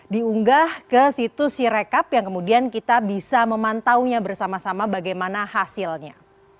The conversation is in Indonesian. diunggah ke situs sirekap yang kemudian kita bisa memantaunya bersama sama bagaimana hasilnya